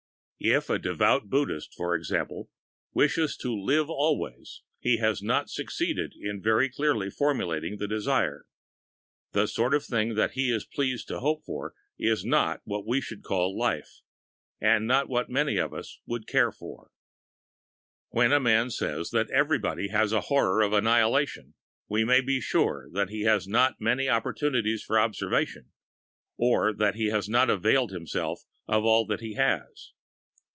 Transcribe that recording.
If the devout Buddhist, for example, wishes to "live alway," he has not succeeded in very clearly formulating the desire. The sort of thing that he is pleased to hope for is not what we should call life, and not what many of us would care for. When a man says that everybody has "a horror of annihilation," we may be very sure that he has not many opportunities for observation, or that he has not availed himself of all that he has.